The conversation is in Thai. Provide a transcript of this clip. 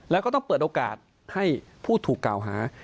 แล้วก็ต้องเปิดโอกาสให้ผู้ถูกกล่าวหา